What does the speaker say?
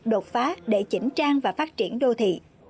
đột phá để chỉnh trang và phát triển đô thị